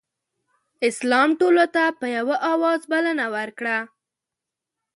اسلام ټولو ته په یوه اواز بلنه ورکړه.